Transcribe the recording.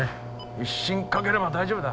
１針かければ大丈夫だ。